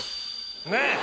ねっ！